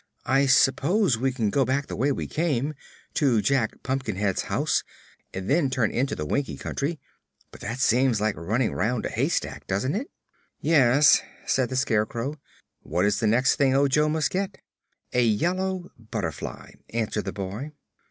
"I s'pose we can go back the way we came, to Jack Pumpkinhead's house, and then turn into the Winkie Country; but that seems like running 'round a haystack, doesn't it?" "Yes," said the Scarecrow. "What is the next thing Ojo must get?" "A yellow butterfly," answered the boy.